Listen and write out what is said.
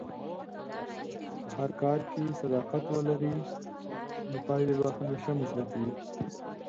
که په هر کار کې صداقت ولرې، نو پایلې به همیشه مثبتې وي.